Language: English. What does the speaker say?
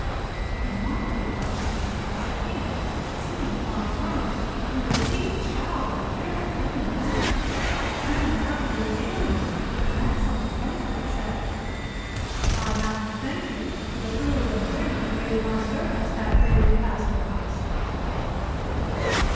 In one of the apartments was a king, sitting upon a throne, who received Shao in a very friendly manner; and, after regaling him with an excellent banquet, said, "I have to thank you for the food and drink you gave my servants that day we passed your house."